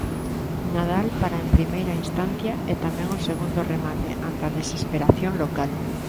Nadal para en primeira instancia e tamén o segundo remate ante a desesperación local.